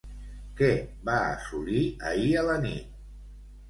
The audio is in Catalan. Què va assolir ahir a la nit?